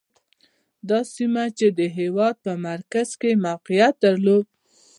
دا سیمه چې د هېواد په مرکز کې یې موقعیت درلود.